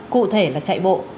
cụ thể là chạy bộ